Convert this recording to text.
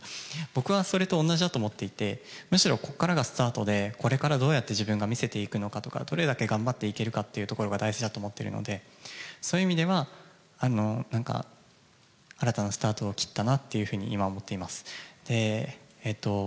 僕はそれと同じだと思っていて、むしろここからがスタートで、これからどうやって自分が見せていくのかとか、どれだけ頑張っていけるかってところが大事だと思っているので、そういう意味では、なんか新たなスタートを切ったなっていうふうに今、思っています。